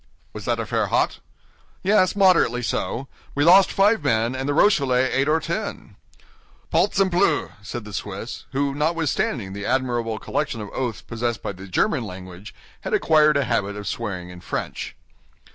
"Was that affair hot?" "Yes, moderately so. We lost five men, and the Rochellais eight or ten." "Balzempleu!" said the Swiss, who, notwithstanding the admirable collection of oaths possessed by the German language, had acquired a habit of swearing in French.